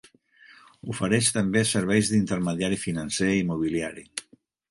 Ofereix també serveis d'intermediari financer i mobiliari.